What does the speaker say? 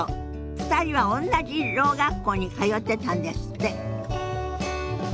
２人はおんなじろう学校に通ってたんですって。